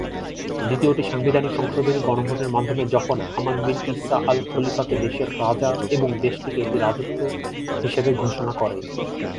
দ্বিতীয়টি সাংবিধানিক সংশোধনী গণভোটের মাধ্যমে যখন "হামাদ বিন ঈসা আল খলিফা"-কে দেশের রাজা এবং দেশটিকে একটি রাজত্ব হিসেবে ঘোষণা করে।